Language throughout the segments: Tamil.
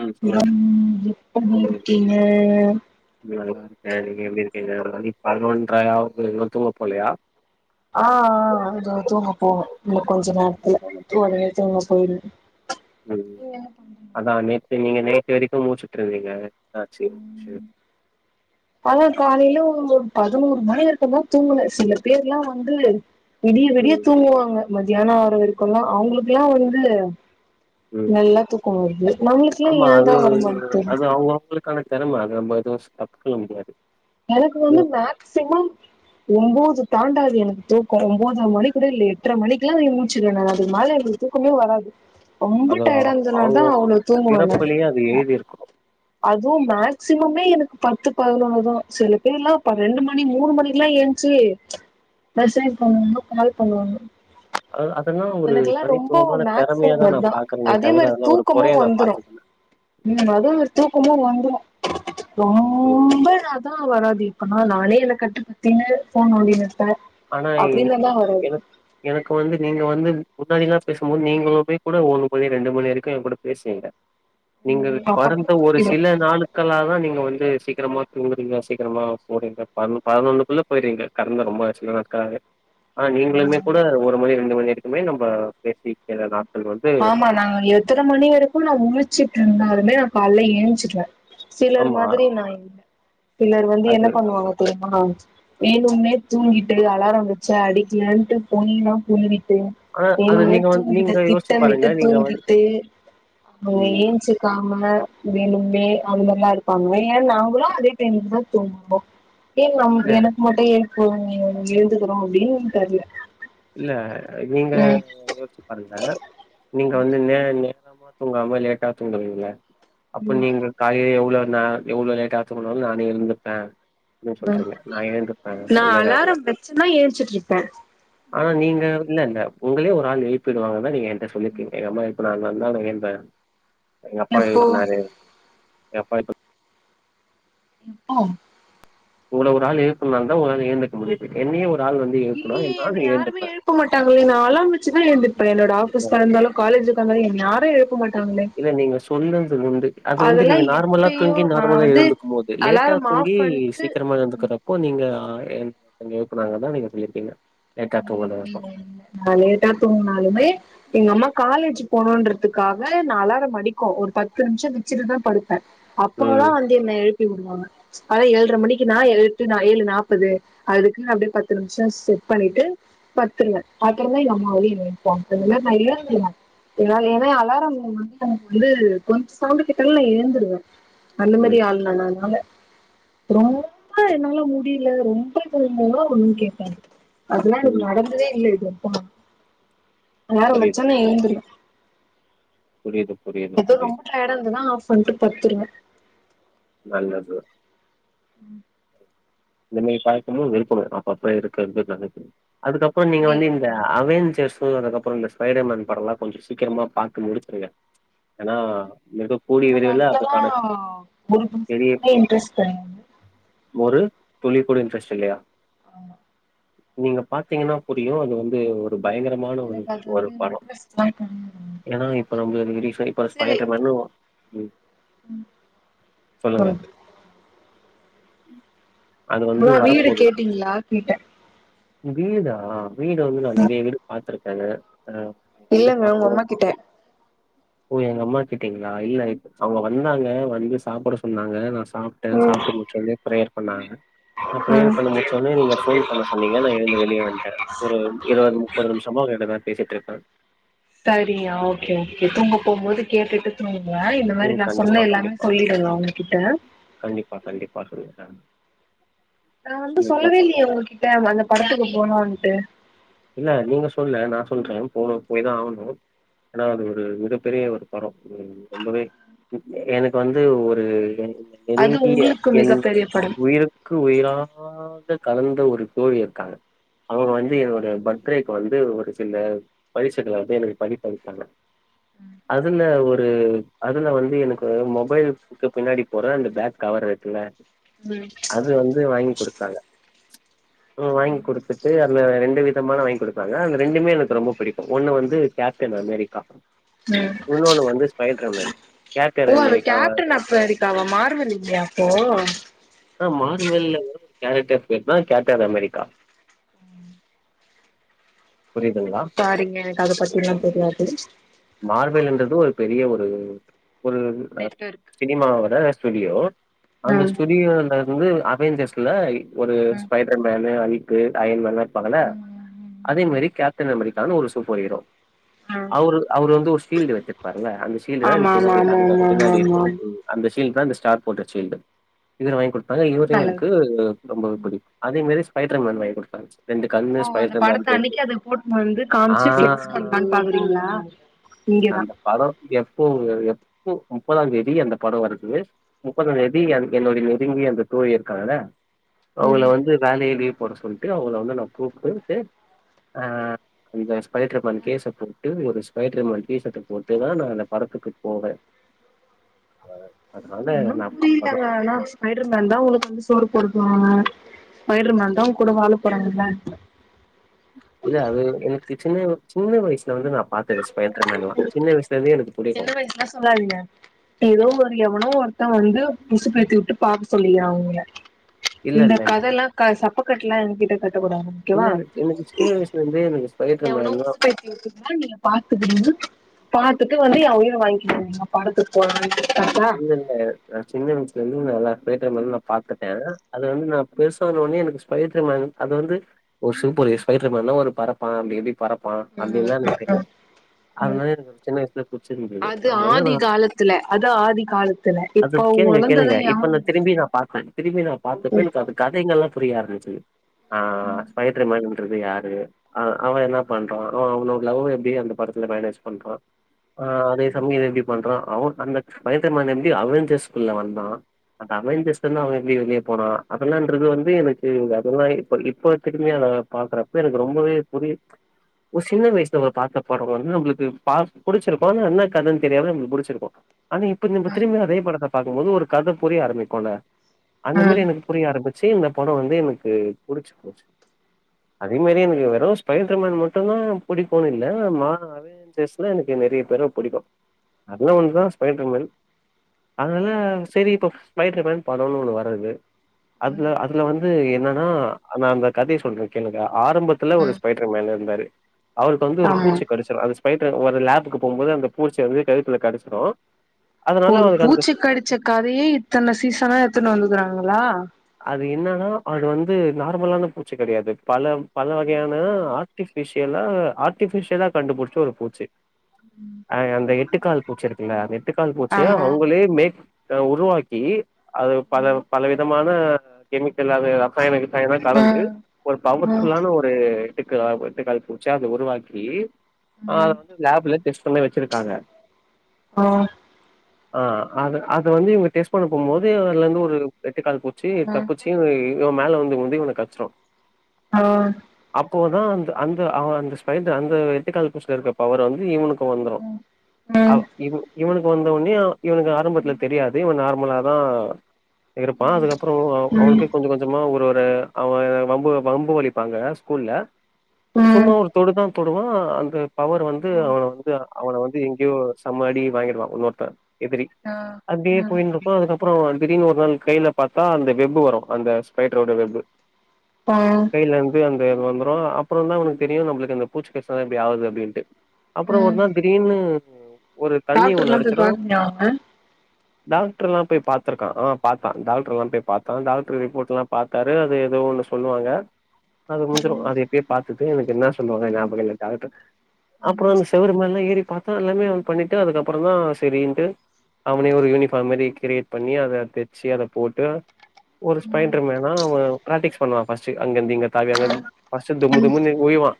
ம் [unintelligible] சொல்லுங்க ம் எப்படி ம் இருக்கீங்க நல்லா இருக்கே நீங்க எப்டி இருக்கீங்க மணி பதினொன்றையாவுது இன்னை தூங்க போலையா ஆ ஆ இதோ தூங்க போனு இன்னு கொஞ்ச நேரத்துல ஒடனே தூங்க போயிருவே ம் அதா நேத்து நீங்க நேத்து வரைக்கு மூச்சுட்ருந்தீங்க என்னாச்சு [unintelligible] அதா காலையில ஒரு பதினோரு மணி இருக்க தா தூங்குனே சில பேர்ல்லா வந்து விடிய விடிய ம் தூங்குவாங்க மத்தியானோ ஆகர வரைக்கு எல்லா அவங்களுக்குல்லா வந்து ம் நல்லா தூக்கோ வருது நம்மளுக்குல்லா ஏந்தா வரமாட்டுது அவுங்க [unintelligible] களுக்கான தெரம அது நம்ம ஏது ஸ்டாப் பண்ண முடியாது எனக்கு வந்து அது மேக்சிமம் ஒம்போது தாண்டாது எனக்கு தூக்கோ ஒம்போதர மணி கூட இல்ல எட்ர மணிக்கெல்லா முழுச்சுருவே நா அதுக்கு மேல எனக்கு தூக்கமே வராது ரொம்ப அது டயர்டா இருந்தது நா தா அவுங்கவுங்க அவ்ளோ தூங்குவே நானு பிறப்புலயே அது எழுதியிருக்கணு அதுவு மேக்சிமமே எனக்கு பத்து பதுனொன்னுதா சில பேருல்லா இப்ப ரெண்டு மணி மூணு மணி எல்லா ஏஞ்ச்சு மெசேஜ் பண்ணுவாங்க கால் பண்ணுவாங்க அது அதெல்லா ஒரு எனக்குல்லா ரொம்ப தனித்துவமான மேக்சிமம் தெறமையாதா நா அதா பாக்குறேனே அதே தவிர மாரி அதெல்லா ஒரு தூக்கமு கொறையா நா வந்துரு பாத்ததில்ல உம் அதூ ஒரு தூக்கமூ வந்துரு ரொம் ம் ரொம்ப நாதா வராது இப்பனா நானே என்ன கட்டுபத்தீன்னு ஃபோன் நோன்னிடீன்னு இர்ப்பே ஆனா அப்டின்னாதா வராது எனக் எனக்கு வந்து நீங்க வந்து முன்னாடில்லா பேசும்போது நீங்களுமே கூட ஒரு மணி ரெண்டு மணி வரைக்கு ஏங்கூட பேசுவீங்க நீங்க ம் அப்ப கூட கொறந்த ஒரு தூங்கிடுவே சில நாளு க்களாக தா நீங்க வந்து சீக்கிரமாக தூங்குறீங்க சீக்கிரமாக போடுறீங்க ப பதினொன்னுக்குள்ள போயிறீங்க கறந்து ரொம்ப லவுக்காக அ நீங்ளுமே கூட ஒரு மணி ரெண்டு மணி வரைக்குமே நம்ப பேசிக்கலலா ஆம்மா நா எத்தன மணி வரைக்கு நா முழிச்சட்ருந்தாலுமே நா காலல ஏச்ஞ்சிடுவ சிலர் ஆமா மாதிரி நா இல்ல சிலர் வந்து என்ன அது பண்ணுவாங்க தெரியுமா வேணும்னே தூங்கிட்டு அலார வச்சு அடிக்கலான்ட்டு பொய்ல்லா புழுவிட்டு ஆனா அது வேனுன்னே நீங்க வந்து தூங்கிட்டு நீங்க யோசிச்சு பாருங்க திட்டமிட்டு நீங்க வந்து தூங்கிட்டு அவ ம் ஏ பச்சக்காமுல்ல வெலுமே அது மாரிலாம் இருப்பாங்க ஏன நாங்களு அதே டேம்தா தூங்குவோ ஏங் இல்ல நம்எனக் மட்டு எழுதுகிறோ அப்படின் தெர்ல இல்ல நீங்க ம் யோச்சு பாருங்க நீங்க வந்து நே நேரமா தூங்காம லேட்டா தூங்குவீங்ள அப்ப ம் நீங்க காய எவ்வளோ நா எவ்ளோ லேட்டா தூங்குனாலு நானே எழுந்துப்ப என்ர ம் சொல்றீங்க நா ஏழுந்துப்பே இல்ல இல்ல அவுங்க ச்சுன்னா ஏஞ்ச்சிட்ருப்ப ஆனா நீங்க இல்லல்ல உங்களே ஒரு ஆள் எழுப்பிடுவாங்கன்னா நீங்க எ ன்ட்ட சொல்லிர்க்கிங்க எங்க அம்மா எழுப்புனாங்கன்தா ஏந்த எங்க அப்பா எப்போ எழுப்புனாரு எ அப்பா ப்பு ஒ உன்ன ஒரு ஆள் எழுப்பண்னால தா உன்னால எழுந்துக்த முடியுது என்னையு ஒரு ஆள் வந்து ஏப்புன்னா என்னாலு ஏந்துப்ப ப்ப மாட்டாங்களே நா அளாம் வெச்சுதா எழுந்துப்ப என்னோட ஆபீஸ்ஸா இருந்தாலு காலேஜ்ஜுக்கா இருந்நதாலு யாரு எழுப்ப மாட் இல்ல நீங்க சொன்னது உண்டு அது வந்து அதெல்லா நீங்க நார்மலா எப்பயோ தூங்கி நா நார்மலா வந்து எழுந்து கும்போது லேட்ஆ அலாரம் தூங்கி ஆஃப் பண்ட்டு சீக்கிரமா எழுந்துக்கற ப்போ நீங்க என்ட்ட எழுப்புனாங்கன்தா நீங்க சொல்லிர்க்கீங்க ம் [inaudible] நா லேட்டா தூங்னாலுமே எங்க அம்மா காலேஜ்ஜு போனுன்றதுக்காக நா அல்லாரம் அடிக்கு ஒரு பத்து நிமிஷ வச்சுட்டுதா படுப் அ அப்போல்ல ம் வந்து என்ன எழுப்பி விடுவாங்க காலை ஏழ்ரைமணிக்கு நா எட்டு ஏழுநாப்பது அதுக்கு அப்டே பத்து நிம்ஷ செட் ட் பண்ணிட்டு பத்துருவே அக்கற எங்க அம்மாவே என்ன எழுப்புவாங்க கொஞ்ச நேரோ நா எழுந்துருவேன் எல ஏன்னா அலாரம் வந்து எனக் வந்து கொஞ் சவுண்டு கேட்டாலெ நா எழுந்துடுவே அந்த மாரி ம் ஆள் நானு அத்னால ரொம்ப என்னால முடியல ரொம்ப இமல்லாம் ஒண்ணு கேப்ப அதெல்லாம் எனக்கு ம் நடந்ததே இல்ல இதுவரைக்கு அலாரொ புரியுது வச்சா நா எழுந்துருவ புரியது புரியது எதோ ரொம்ப டையடா இருந்தாதா ஆஃவ் பண்ட்டு படுத்துருவ நல்லது உம் இந்தே மேரி பழக்கமு இருக்கனு [unintelligible] அதுக்கப்புர நீங்க வந்து புரியல இந்த புரியல அவெஞ்சர்ஸ் பு அதுக்கப்பற இந்த ஸ்பைடர்மேன் படல்லா கொஞ்சொ சீக்கிரமா பாத்து முடிச்சிருங்க ஏன்னா இந்த எனக்கு அதுலெல்லா ஒரு பெரிய பெசர்ன்டு இன்ட்ரெஸ்ட் [inaudible] ஒரு துளி கூட இன்ட்ரெஸ்ட் இல்லயா ஆமா நீங்க பாத்தீங்கன்னா புரியும் அது வந்து ஒரு பயங்கர மான எனக்கு அது ஒரு வந்து படோம் இன்ட்ரெஸ்ட்லா கெடையாது ஏன்னா இப்ப நம்மல இப்டி சொல்லிட்டா ஸ்பைடர்மேனு உம் உம் அது வந்து ப்ரோ வீடு வரப்போது. கேட்டீங்களா கேட்டே வீடா வீடு வந்து நான் நெறைய வீடு பாத்துருக்கேங்க உம் வீடு இல்லங்க உங்க பாத்தோம் அம்மா [inaudible] ஓ எங்க அம்மா கிட்டீங்ளா இல்ல அவுங்க வந்தாங்க வந்து சாப்ட சொன்னாங்க நா சாப் டே ம் சாப்டு முடிச்ச உடனே ப்ரேயர் பண்ணாங்க நா ப்ரேயர் ம் பண்ணி முடுச்சோனே நீங்க ஃபோன் பண்ண சொன்னீங்க ந எழுந்து வெளியே வந்துட்டே ஒரு இருபது முப்பது நிமிஷமா உங்கிட் டநா பேசிட்டு இருப்பே சரியா ஓகே ஓகே தூங்க போம்போது கேட்டுட்டு தூங்குங்க இந்த மாரி ம். நா சொன்ன கண்டிப்பா, எல்லாமே கண்டிப்பா. சொல்லிடுங்க அவுங்ககிட்ட கண்டிப்பா கண்டிப்பா சொல்லிரே நா வந்து சொல்லவே இல்லயே உங்ககிட்ட அந்த படத்துக்கு போனோம்ன்ட்டு இல்ல நீங்க சொல்லல நான் சொல்றே போனும் போய் தா ஆகணு ஆனா அது ஒரு மிகப்பெரிய ஒரு படோ ரொம்பவே எனக்கு வந்து ஒரு அது நெருங்கிய உங்களுக்கு என் மிகப்பெரிய படம் உயிர் க்கு உயிராக கலந்த ஒரு தோழி இருக்காங்க அவுங்க வந்து என்னுடைய பர்த்டேக்கு வந்து ஒரு சில பரிசைகள வந்து எனக்கு பண்ணி தர சொன்னே அதுல ஒரு அதுல வந்து எனக்கு மொபைல் இக்கு பின்னாடி போற அந்த பேக் கவர் இருக்குல உம் அது வந்து வாங்கி் குடுத்தாங்க வாங்கி குடுத்துட்டு அந்த ரெண்டு வித மான வாங்கி குடுத்தாங்க அந்த ரெண்டுமே எனக்கு ரொம்ப பிடிக்கு ஒண்ணு வந்து கேப்டன் அமெரிக்கா உம் இன்னொன்னு வந்து ஸ்பைட்ரமேன் ஓ அது கேப்டன் அப்ப இருக்காவ மார்வல் இல்லயா அப்போ ஆனா மார்பெல்ல ஒரு கேரக்ட்டர் [unintelligible] கேட்டர் அமெரிக்கா புரியுதுங்ளா சாரீங்க எனக்கு அத பத்தி எல்லா தெரியாது மார்பெல் என்றது ஒரு பெரிய ஒரு ஒரு நெட்வொர்க் சினிமாவோட ஸ்டுடியோ அந்த ம் ஸ்டுடியோ [unintelligible] இது அவெஞ்ஜர்ஸ்ல ஒரு ம் ஸ்பைடர் மேனு [unintelligible] ஹல்க் அயன் மேனுலா இருந்பாங்கள ம் ம் அதே ம் மாரி கேப்டன் அமெரிக்கான்னு ஒரு சூப்பர் ஹீரோ ஆ அவரு அவர் வந்து ஒரு ஷீல்டு வச்சிருப்பாருல அந்த ஷீல்டு தா அது ஆமா ஆமா பின்னாடி ஆமா அந்த ஆமா பின்னாடி ஆமா இருக்கு அந்த ஷீல்டு தான் அந்த ஸ்டார் போட்ட ஷீல்டு இவர் வாங்கி குடுத்தாங்க ஆமா இவரு நல்லா எனக்கு ரொம்பவே பிடிக்கும் அதே மாரி ஸ்பைடர்மன் வாங்கி குடுத்தாங்க கண்ணு ஓ அந்த ஸ்பைடர் மேன் படத்த பேரு. அன்னைக்கு அது போட்டுனு வந்து ஆ. காமிச்சு ஃபிகஸ் பண்ணி பாக்றீங்ளா அந்த படோ எப்போ எப்போ முப்பதா தேதி அந்த படோ வருது முப்பதாந்தேதி என் என்னுடைய நெருங்கிய அந்த தோழி இருக்காங்களா அவுங்க ம் வந்து வேலையா லீவ் போட சொல்லிட்டு அவள வந்து நா கூப்டுட்டு ஆ அந்த ஸ்பைடர்மேன் கேசை போட்டு ஒரு ஸ்பைடர்மேன் டீசர்ட்ட போட்டுதா நா அந்த படத்துக்கு போவே அதனால ஒன்னு நா பாப்பதா புரியலங்க ஆனா ஸ்பைடர்மேன்தா உனக்கு வந்து சோறு போட போறானா ஸ்பைடர்மேன் தா உங் கூட வாழ போறானுங்ளா இல்ல அது எனக்கு சின்ன சின்ன வயசுல வந்து நா பாத்தது ஸ்பைடர்மேன்லா சின்ன வயசுல இருந்தே எனக்கு புடிக்கு சின்ன வயசுலா சொல்லாதீங்க ஏதோ ஒரு எவனோ ஒருத்தன் வந்து உசுப்பேத்தி வுட்டு பாக்க சொல்லி அவுங்கள இல்ல இந்த இல்ல இல்ல கதைல்லா க சப்பக்கட்டுல்லா என்கிட்டே கட்டக்கூடாதுங்க இல்ல எனக் எனக்கு சின்ன வயசுல இருந்தே எனக்கு ஸ்பைடர் எவனோ மேன்லா ஊசுபேத்திவுட்டுருக்கா நீங்க பாத்துக்கிறீங்க பாத்துட்டு வந்து எ உயிர வாங்கிட்டு இருக்கீங்க படத்துக்கு போலான்ட்டு கரெக்ட்டா இல்ல இல்ல நா சின்ன வயசுல இருந்து நல்ல தியேட்டர்ல நா பாத்துட்டே அது வந்து நா பெருசானோனே எனக்கு ஸ்பைடர்மேன் அது வந்து ஓ சூப்பரு ஸ்பைடர்மன் பறப்பான அப்டி அப்டி பறப் பா ம் அப்டின்னுலா எனக்கு ம் தெரியு ம் ம் அதனால எனக்கு சின்ன வயசுல புடிச்சிருந்தது அதனால நா த்துல அது ஆதிகாலத் அது கேளுங்க கேளுங்க இப்ப நா திரும்பி நா பாத்தே திரும்பி நா பாத்தப்ப எனக்கு அது கதைங்கள்லா புரிய ஆரம்பிச்சுது ஆ ஸ்பைடர்மன் ட்றது யாரு அவ என்ன பண்றா அவ அவனோட லவ் எப்படி அந்த படத்துல மேனேஜ் பண்றா ஆ அதே சமயம் இத எப்டி பண்றா அவன் அந்த ஸ்பைடர்மன் எப்டி அவெஞ்சர்ஸ் உள்ள வந்தா அநத அவெஞ்சர்ஸ்ல இருந்து அவ எப்டி வெளிய போனா அதெல்லான்றது வந்து எனக்கு அதெல்லா இப்ப இப்ப திரும்பி அத பாக்குறப்ப எனக்கு ரொம்பவே புரி ஒரு சிறு வயசுல நம்ம பாத்த படம் வந்து நம்மளுக்கு பா புடிச்சிருக்கு ஆனா என்ன கதைனு தெரியாம நம்மளுக்கு புடிச்சிருக்கு ஆனா இப்ப நம்ம திரும்பி அதே படத்த பாக்கும்போது ஒரு கத புரிய ஆரம்பிக்கும்ல அந்த மாரி ம் எனக் புரிய ஆரம்பிச்சு இந்த படம் வந்து எனக்கு புடிச்சு போச்சு அதே மாரி எனக்கு வெறும் ஸ்பைடர்மன் மட்டும்தா புடிக்குன்னு இல்ல ஆனா மார்வெல் அவெஞ்சர்ஸ்ல எனக்கு நெறைய பேர புடிக்கு அதுலல ஒன்னுதா ஸ்பைடர்மேன் அதனால சேரி இப்போ ஸ்பைடர்மன் படோனு ஒன்னு வர்றது அதுல அதுல வந்து என்னன்னா நா அந்த கதைய சொல்றே கேளுங்க ஆரம்பத்துல ஒரு ம் ஸ்பைடர்மேன் இருந்தாரு அவருக்கு வந்து ஒரு ஆமா பூச்சி கடிச்சிடு அந்த ஸ்பைர் ஒரு லேப்க்கு போகும்போது அந்த பூச்சு வந்து கழுத்துல கடிச்சிடு ஒரு பூச்சி கடிச்ச கதையே இத்தன சீசனா எடுத்துனு வந்துருக்கங்களா அது என்னன்னா அது வந்து நார்மலான பூச்சு கடையாது பல பல வகையான ஆ ர்டிபிஸியலா ஆர்டிபிஸியாலா கண்டுபுடிச்ச ஒரு பூச்சி [unintelligible] அ அந்த எட்டுக்கால் பூச்சி இருக்குல்ல அந்த எட்டுக்கால் பூச்சிய ஆமா அவங்களே மேக் உருவாக்கி அது பல பல விதமான கெமிக்கல் அதெல்லா சைனுக்கு சையனா ம் கலந்து ஒரு பவர் ம் ஃபுல்லான ஒரு ரு எட்டு எட்டுக் கா எட்டுக்கால் பூச்சியா அத உருவாக்கி அ அத வந்து லேப்ல டெஸ்ட் பண்ணி வச்சிருக்காங்க ஆ ஆ அத அது வந்து இவங்க டெஸ்ட் பண்ண போம்போது அதுல இருந்து ஒரு எட்டு கால் பூச் சி ம் தப்பிச்சு இ இவன் மேல வந்து விழுந்து இவன கடிச்சிடு ஆ அப்போதா அந்த அந்த அந்த ஸ்பைடர் அந்த எட்டுக்கால் பூச்சில இருக்க பவர் வந்து இவனுக்கு வந்துரு ம் அவ ம் இவ இவனுக்கு வந்தனோயே இவனுக்கு ஆரம்பத்துல தெரியாது இவன் நார்மலாதா இருப்பா அதுக்கப்பறோ அவனுக்கே கொஞ்ச கொஞ் சமா ஒரு ஒரு அவ வம்பு வம்பு வளிப்பாங்க ஸ்கூல்ல ம் சும்மா ஒரு தொடு தா தொடுவா அந்த பவர் வந்து ம் அவனை வந்து அவனை வந்து எங்கயோ செம அடி வாங்கிருவா இன்னொருத்த எதிரி ஆ அப்படியே ம் போயின்ட்டு இருக்கும் அதுக்கப்றோ திடீர்னு ஒரு நாள் கைல பாத்தா அந்த வெப்பு வரும் அந்த ஸ்பைடர்ரோட வெப்பு பா கையில இருந்து அந்த வந்துரும் அப்றோ தா அவனக்கு தெரியு நம்மளுக்கு அந்த பூச்சி கடிச்சது தா இப்டி ஆவுது அப்படின்ட்டு அப்றோ ஒரு ம் நாள் திடீர்னு ஒரு தண்ணி ஒண்ணு டாக்டர்லா போய் அடிச்சிடும் பாக்கலயா அவங்க டாக்டர் எல்லா போய் பாத்திருக்கா ஆ பாத்தா டாக்டர் எல்லா போய் பாத்தோ டாக்டர் ரிப்போர்ட் எல்லா பாத்தாரு அது எதோ ஒன்னு சொல்லுவாங்க அது முடிஞ்சிரும் அத எப்பயே பாத்துட்டு எனக்கு என்ன சொல்லுவாங்க ஞாபகம் இல்ல டாக்டர் அப்றோ அந்த செவுரு மேல எல்லா ஏறி பாத்தா எல்லாமே பண்ணிட்டு அதுக்கப்புறோ தா சேரின்ட்டு அவனே ஒரு யூனிஃபார்ம் மாறி கிரியேட் பண்ணி அத தெச்சு அத போட்டு ஒரு ஸ்பைன்டர் மேனா அவன் பிராக்டிகஸ் பண்ணுவா ஃபர்ஸ்ட்டு அங்கிருந்து இங்க தாவி அங்க இருந்து ஃபர்ஸ்ட்டு தும்மு தும்முன்னு உழுவா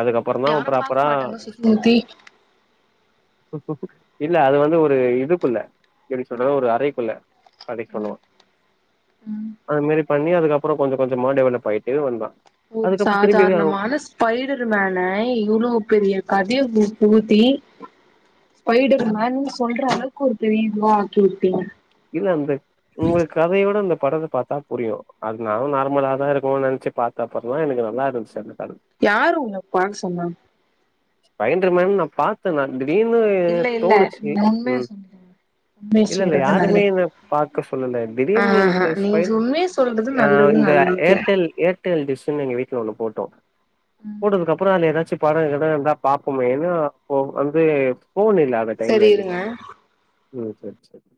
அதுக்கப்றோ தா அவன் யாரு பாக்க ஃப்ராப்பரா மாட்டாங்க யூஸ் சுத்தி பண்ணுவா முத்தி இல்ல அது வந்து ஒரு இதுக்குள்ள எப்டி சொல்றது ஒரு அறைக்குள்ள அடைக்கலோ அந்த மாறி பண்ணி அதுக்கப்பறோ கொஞ்ச கொஞ்சமா டெவலப் ஆயிட்டு வந்தா ஒரு சாதாரணமான பைடர்மேன இவ்ளோ பெரிய கதையை போட்டு ஊத்தி பையிடர் மேன் சொல்ற அளவுக்கு ஒரு பெரிய இதுவா ஆக்கிவுட்டீங்க இல்ல அந்த உங்களுக்கு கதைய விட இந்த படத்த பாத்தா புரியு அப்டி நானும் நார்மலா தா இருக்குன்னு நினைச்சு பாத் அப்பறந்தா எனக்கு நல்லா இருந்துச்சு அந்த படோ யாரு உங்கள பாக்க சொன்னா ஸ்பைன்டர் மேன் நா பாத்த நா திடீர்னு இல்ல இல்ல தோணுச்சு நீங்க உண்மைய ம் சொல்லுங்க உண்மைய இல்ல இல்ல சொல்றது நல்லது யாருமே என்ன பாக்க சொல்லல திடீர்ன்னு எனக்கு ஆஹா ஸ்பை நீங்க உண்மைய சொல்றது அ நல்லதுன்னு இந்த நா நெனைக்கிறே ஏர்டெல் ஏர் டெல் டிஸ்ன்னு எங்க வீட்ல ஒன்னு போட்டோ போட்டதுக்கு கப்றோ அத ஏதாச்சும் படம் கிடம் எதா பாப்போமே ஏன்னா அப்ப வந்து ஃபோன் இல்லாத டைம் சரி இருங்க எங்கிட்ட ம் சேரி சேரி